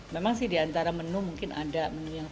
memang sih di antara menu mungkin ada yang lebih banyak